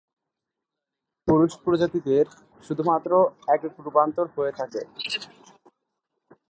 পুরুষ প্রজাপতিদের শুধুমাত্র একক রূপান্তর হয়ে থাকে।